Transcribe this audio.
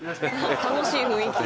楽しい雰囲気。